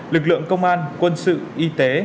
lực lượng công an quân sự y tế